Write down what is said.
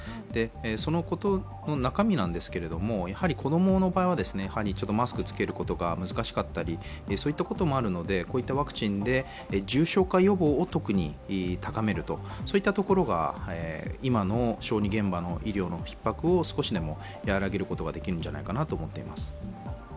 その中身なんですけれども子供の場合はマスクを着けることが難しかったりということもあるので、こういったワクチンで、重症化予防を特に高めるとそういったところが今の小児現場の医療のひっ迫を少しでも和らげることができるんくじゃないかと思っています。